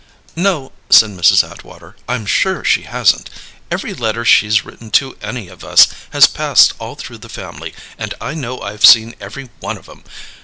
"No," said Mrs. Atwater. "I'm sure she hasn't. Every letter she's written to any of us has passed all through the family, and I know I've seen every one of 'em.